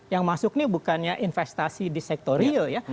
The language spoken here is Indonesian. yang masuk ini bukannya investasi di sektor real ya